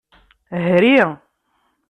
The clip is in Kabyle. Hri.